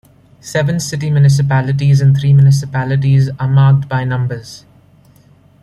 Seven city municipalities and three municipalities are marked by numbers.